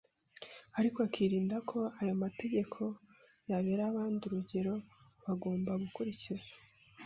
ariko akirinda ko ayo mategeko yabera abandi urugero bagomba gukurikiza.